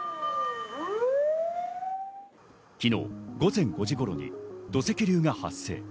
昨日午前５時頃に土石流が発生。